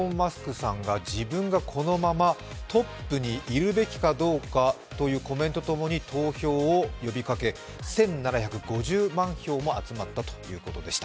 さんが自分がこのままトップにいるべきかどうかというコメントと共に投票を呼びかけ１７５０万票も集まったということでした。